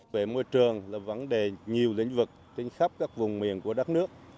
về môi trường là vấn đề nhiều lĩnh vực trên khắp các vùng miền của đất nước